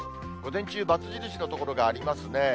午前中、×印の所がありますね。